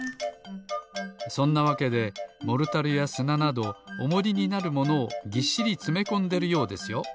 そんなわけでモルタルやすななどおもりになるものをぎっしりつめこんでるようですよ。